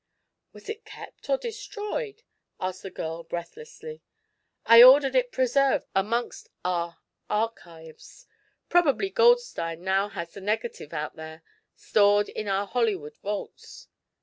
"Was it kept, or destroyed?" asked the girl, breathlessly. "I ordered it preserved amongst our archives. Probably Goldstein now has the negative out here, stored in our Hollywood vaults."